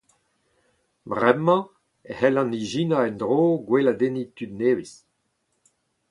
Bremañ e c'hellan ijinañ endro gweladenniñ tud nevez